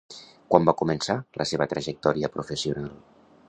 Quan va començar la seva trajectòria professional?